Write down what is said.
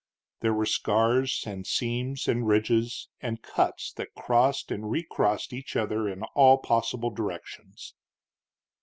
There were scars, and seams, and ridges, and cuts that crossed and recrossed each other in all possible directions.